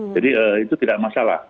jadi itu tidak masalah